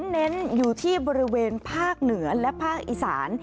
เน้นอยู่ที่บริเวณภาคเหนือและภาคอีสาน